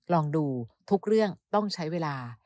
ลองดูทุกเรื่องต้องใช้เวลา